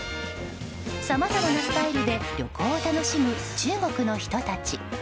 さまざまなスタイルで旅行を楽しむ、中国の人たち。